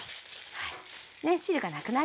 はい。